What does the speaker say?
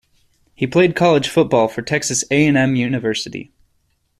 He played college football for Texas A and M University.